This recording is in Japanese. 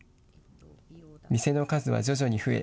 店の数は徐々に増え